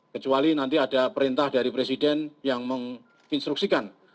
kecuali nanti ada perintah dari presiden yang menginstruksikan